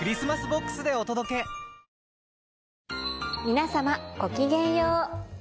皆様ごきげんよう。